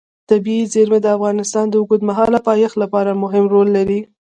طبیعي زیرمې د افغانستان د اوږدمهاله پایښت لپاره مهم رول لري.